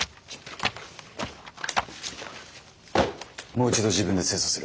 もう一度自分で精査する。